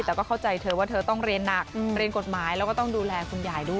แต่ก็เข้าใจเธอว่าเธอต้องเรียนหนักเรียนกฎหมายแล้วก็ต้องดูแลคุณยายด้วย